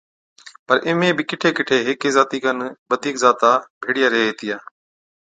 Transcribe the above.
پر اِمھين بِي ڪِٺي ڪِٺي ھيڪي ذاتي کن بڌِيڪ ذاتا ڀيڙِيا ريھي ھِتيا